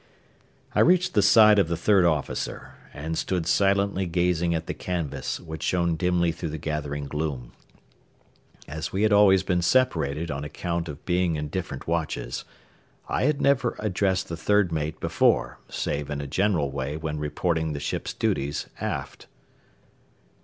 I reached the side of the third officer, and stood silently gazing at the canvas which shone dimly through the gathering gloom. As we had always been separated on account of being in different watches, I had never addressed the third mate before save in a general way when reporting the ship's duties aft.